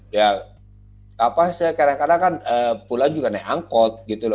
ya apa saya kadang kadang kan pulang juga naik angkot gitu loh